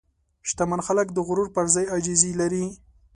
شتمن خلک د غرور پر ځای عاجزي لري.